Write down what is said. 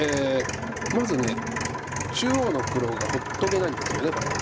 まず中央の黒が放っとけないんですよねこれ。